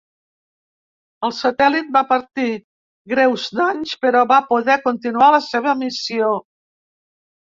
El satèl·lit va patir greus danys però va poder continuar la seva missió.